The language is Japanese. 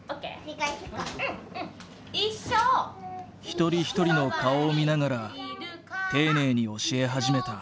一人一人の顔を見ながら丁寧に教え始めた。